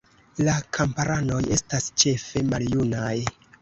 La kamparanoj estas ĉefe maljunaj.